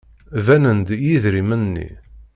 Banen-d yidrimen-nni.